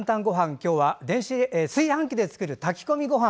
今日は炊飯器で作る炊き込みごはん。